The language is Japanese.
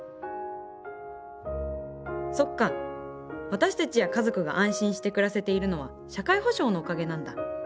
私たちや家族が安心して暮らせているのは社会保障のおかげなんだ。